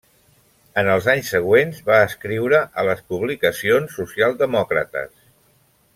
En els anys següents va escriure a les publicacions socialdemòcrates.